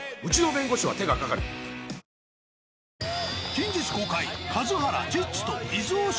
近日公開。